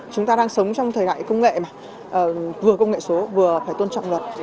chúng ta đang sống trong thời đại công nghệ mà vừa công nghệ số vừa phải tôn trọng luật